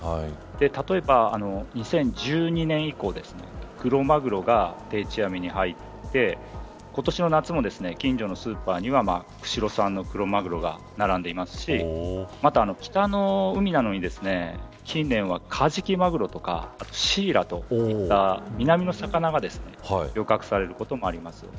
例えば２０１２年以降クロマグロが定置網に入って今年の夏も、近所のスーパーには釧路産のクロマグロが並んでいますし北の海などに近年はカジキマグロとかシイラといった南の魚が漁獲されることもあります。